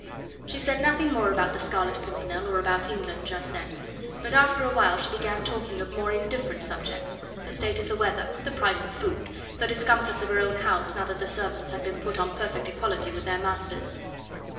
She said nothing more about the Scarlet Pimpernel or about England just then, but after awhile she began talking of more indifferent subjects: the state of the weather, the price of food, the discomforts of her own house, now that the servants had been put on perfect equality with their masters.